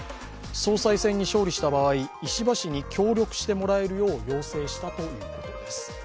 総裁選に勝利した場合石破氏に協力してもらえるよう要請したということです。